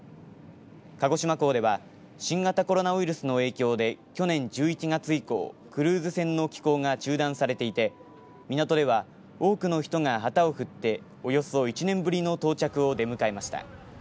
鹿児島港では新型コロナウイルスの影響で去年１１月以降、クルーズ船の寄港が中断されていて港では多くの人が旗を振っておよそ１年ぶりの到着を出迎えました。